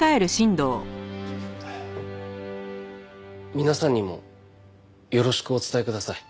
皆さんにもよろしくお伝えください。